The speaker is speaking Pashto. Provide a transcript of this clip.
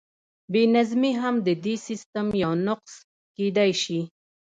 بې نظمي هم د دې سیسټم یو نقص کیدی شي.